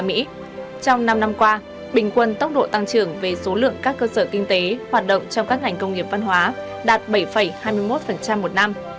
trong năm năm qua bình quân tốc độ tăng trưởng về số lượng các cơ sở kinh tế hoạt động trong các ngành công nghiệp văn hóa đạt bảy hai mươi một một năm